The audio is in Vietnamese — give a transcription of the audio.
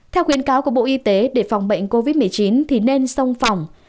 theo khuyến cáo của bộ y tế để phòng bệnh covid một mươi chín thì nên sông phòng